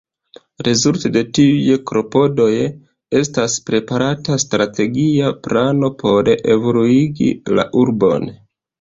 Rezulte de tiuj klopodoj estas preparata strategia plano por evoluigi la urbon.